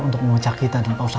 untuk memecah kita dari pausat rw